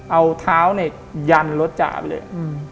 เอาเท้าเนี่ยยันรถจ่าไปเลย